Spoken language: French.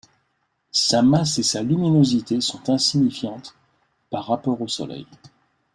Sa masse et sa luminosité sont insignifiantes par rapport au Soleil.